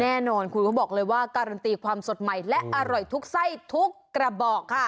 แน่นอนคุณเขาบอกเลยว่าการันตีความสดใหม่และอร่อยทุกไส้ทุกกระบอกค่ะ